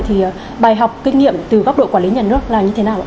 thì bài học kinh nghiệm từ góc độ quản lý nhà nước là như thế nào ạ